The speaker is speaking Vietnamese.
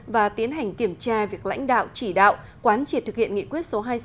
và tiến hành kiểm tra việc lãnh đạo chỉ đạo quán triệt thực hiện nghị quyết số hai mươi sáu